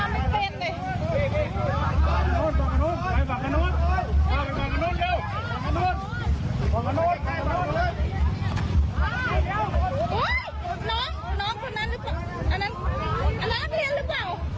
นี่เป็นเหตุผลหนึ่งครับคุณผู้ชมครับ